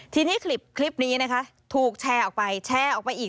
ทีนี้คลิปนี้นะคะถูกแชร์ออกไปแชร์ออกไปอีก